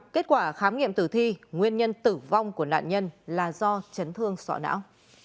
kết quả khám nghiệm tử thi nguyên nhân tử vong của nạn nhân là do chấn thương sọ não